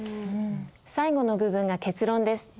最後の部分が「結論」です。